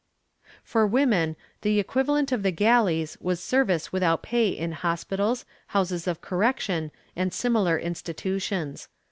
For women, the equivalent of the galleys was service without pay in hospitals, houses of correction and similar institutions.